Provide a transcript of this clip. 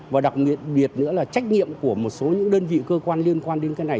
và đặc biệt biệt nữa là trách nhiệm của một số những đơn vị cơ quan liên quan đến cái này